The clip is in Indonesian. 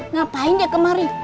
ngapain dia kemari